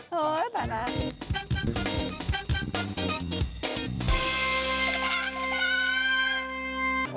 เฮ้ยไปแล้ว